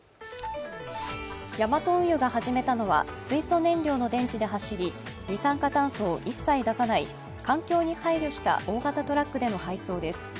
ヤマト運輸が始めたのは、水素燃料の電池で走り、二酸化炭素を一切出さない環境に配慮した大型トラックでの配送です。